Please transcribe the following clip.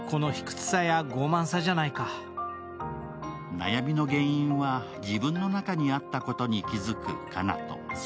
悩みの原因は自分の中にあったことに気付く奏斗。